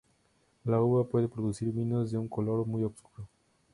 La uva puede producir vinos de un color muy oscuro.